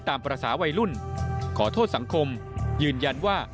ตามภาษาวัยรุ่นขอโทษสังคมยืนยันว่า